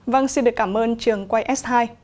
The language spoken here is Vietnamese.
vâng xin được cảm ơn trường quay s hai